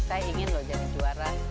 saya ingin loh jadi juara